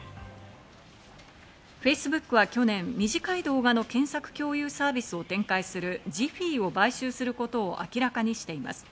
フェイスブックは去年、短い動画の検索共有サービスを展開するジフィーを買収することを明らかにしています。